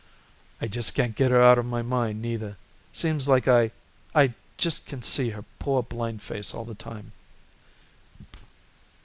"I just can't get her out of my mind, neither. Seems like I I just can see her poor blind face all the time."